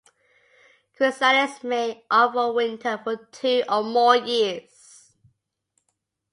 The chrysalis may overwinter for two or more years.